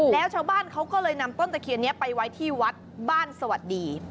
แล้วชาวบ้านเขาก็เลยนำต้นตะเคียนนี้ไปไว้ที่วัดบ้านสวัสดี